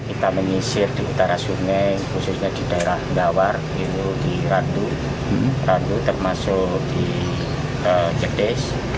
kita mengisir di utara sungai khususnya di daerah mdawar di randu termasuk di jedes